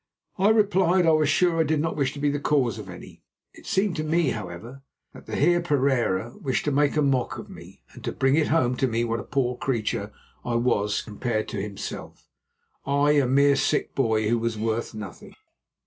I replied I was sure I did not wish to be the cause of any. It seemed to me, however, that the Heer Pereira wished to make a mock of me and to bring it home to me what a poor creature I was compared to himself—I a mere sick boy who was worth nothing.